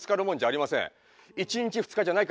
あ。